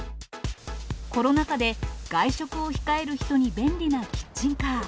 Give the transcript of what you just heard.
コロナ禍で外食を控える人に便利なキッチンカー。